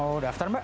mau daftar mbak